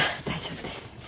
大丈夫です。